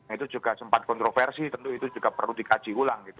itu juga sempat kontroversi tentu itu juga perlu dikaji ulang gitu